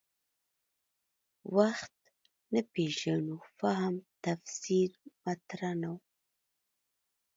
وخت نه پېژنو فهم تفسیر مطرح نه و.